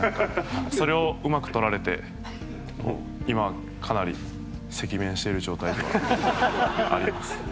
それを、うまくとられて今、かなり赤面している状態ではあります。